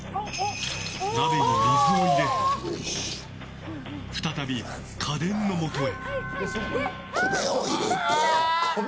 鍋に水を入れ再び家電のもとへ。